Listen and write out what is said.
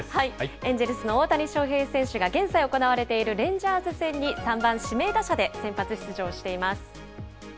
エンジェルスの大谷翔平選手が、現在行われているレンジャーズ戦に３番指名打者で先発出場しています。